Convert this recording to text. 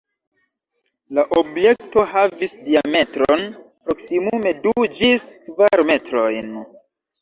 La objekto havis diametron proksimume du ĝis kvar metrojn.